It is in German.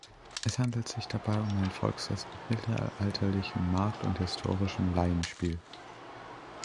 Es handelt sich dabei um ein Volksfest mit mittelalterlichen Markt und Historischem Laienspiel.